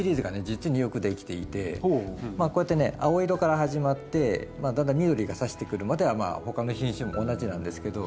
実によくできていてこうやってね青色から始まってだんだん緑がさしてくるまでは他の品種も同じなんですけど。